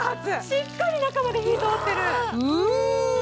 しっかり中まで火、通ってる！